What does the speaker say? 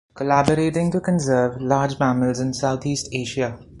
"Collaborating to conserve large mammals in Southeast Asia".